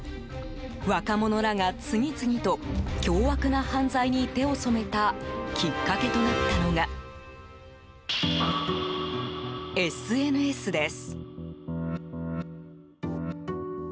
若者らが次々と凶悪な犯罪に手を染めたきっかけとなったのがＳＮＳです。